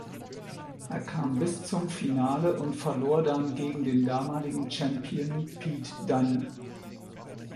Er kam bis zum Finale und verlor dann gegen den damaligen Champion Pete Dunne.